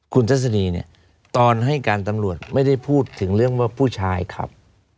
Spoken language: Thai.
คุณทัศนีเนี่ยตอนให้การตำรวจไม่ได้พูดถึงเรื่องว่าผู้ชายขับ